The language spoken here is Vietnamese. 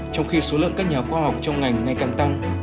trong khi số lượng các nhà khoa học trong ngành ngay càng tăng